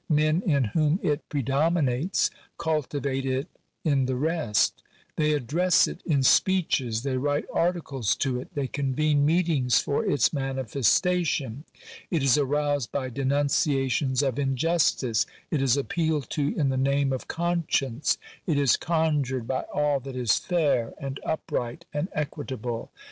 Men in whom it predominates cultivate it in the rest. They address it in speeches ; they write articles to it ; they convene meetings for its manifestation. It is aroused by denunciations of in justice ; it is appealed to in the name of conscience ; it is con jured by all that is fair and upright and equitable.